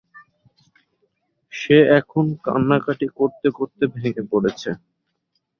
সে এখন কান্নকাটি করতে করতে ভেঙ্গে পড়েছে।